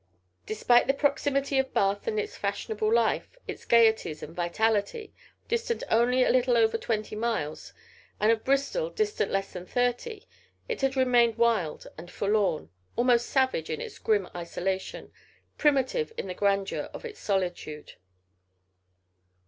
Despite the proximity of Bath and its fashionable life, its gaieties and vitality, distant only a little over twenty miles, and of Bristol distant less than thirty, it had remained wild and forlorn, almost savage in its grim isolation, primitive in the grandeur of its solitude.